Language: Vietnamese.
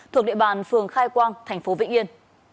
thuộc địa bàn phường khai quang thành phố vĩnh yên